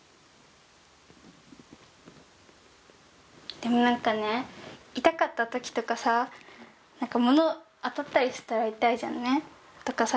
でもなんかね痛かったときとかさ物当たったりしたら痛いじゃんね。とかさ